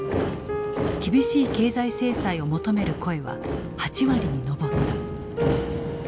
厳しい経済制裁を求める声は８割に上った。